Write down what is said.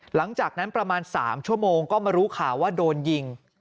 หลังจากนั้นประมาณ๓ชั่วโมงก็มารู้ข่าวว่าโดนยิง